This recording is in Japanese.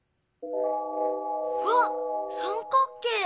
わっ三角形！